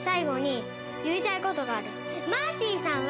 マーティさんは。